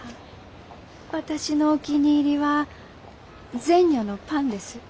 私のお気に入りは「善女のパン」です。